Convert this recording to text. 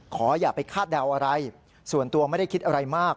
อย่าไปคาดเดาอะไรส่วนตัวไม่ได้คิดอะไรมาก